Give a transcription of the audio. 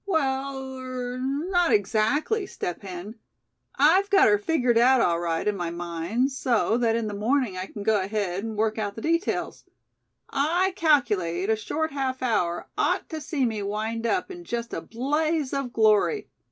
"Well, er not exactly, Step Hen. I've got her figgered out all right, in my mind, so that in the morning I c'n go ahead, and work out the details. I calculate a short half hour ought to see me wind up in just a blaze of glory.